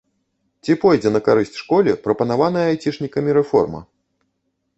Ці пойдзе на карысць школе прапанаваная айцішнікамі рэформа?